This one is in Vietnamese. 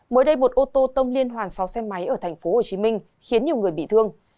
mới đây một ô tô tông liên hoàn sáu xe máy ở tp hcm khiến nhiều người bị thương